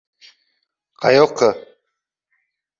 — Qayoqqa?